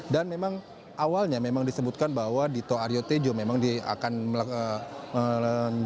dan memang awalnya memang disebutkan bahwa dito aryo tejo memang akan melakukan